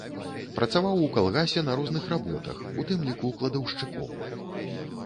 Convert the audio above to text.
Працаваў у калгасе на розных работах, у тым ліку кладаўшчыком.